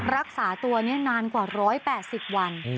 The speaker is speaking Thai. รักษาตัวนี้นานกว่า๑๘๐วัน